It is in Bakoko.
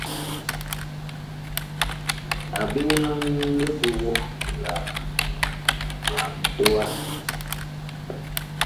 A biŋhan liɓogo la mitowa.